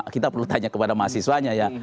kita perlu tanya kepada mahasiswanya ya